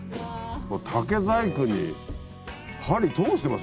竹細工に針通してます